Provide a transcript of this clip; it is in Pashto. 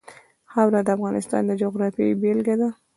خاوره د افغانستان د جغرافیې بېلګه ده.